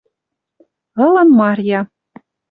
Ылын Марья —